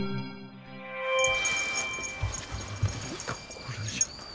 これじゃない。